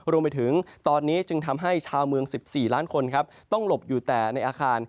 รวมไปถึงตอนนี้จึงทำให้ชาวเมือง๑๔ล้านคนครับต้องหลบอยู่แต่ในอาคาร